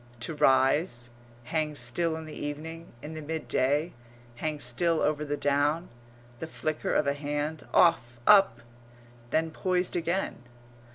To rise; hang still in the evening, in the midday; hang still over the down. The flicker of a hand off, up! then poised again.